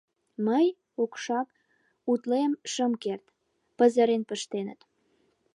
Мый, окшак, утлен шым керт, пызырен пыштеныт.